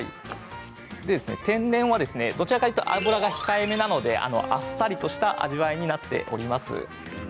天然はどちらかというと脂が控えめなのであっさりとした味わいになっております。